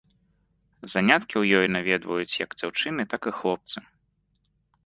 Заняткі ў ёй наведваюць як дзяўчыны, так і хлопцы.